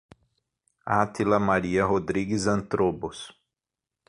Atila Maria Rodrigues Antrobos